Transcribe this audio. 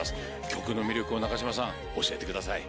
曲の魅力を中島さん教えてください。